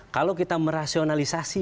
kalau kita merasionalisasi